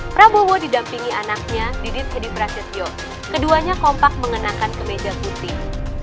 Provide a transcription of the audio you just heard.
prabowo didampingi anaknya didit edi prasetyo keduanya kompak mengenakan kemeja putih